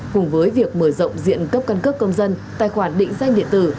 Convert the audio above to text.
cùng với việc mở rộng diện cấp căn cước công dân tài khoản định danh điện tử